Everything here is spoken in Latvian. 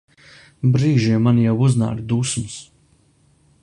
Brīžiem man jau uznāk dusmas.